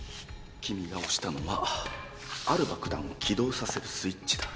君が押したのはある爆弾を起動させるスイッチだ。